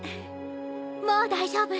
もう大丈夫。